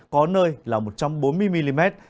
có nơi là một trăm bốn mươi mm